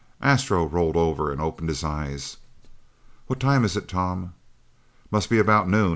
Astro rolled over and opened his eyes. "What time is it, Tom?" "Must be about noon.